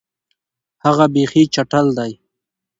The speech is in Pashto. هغه بیخي چټل دی.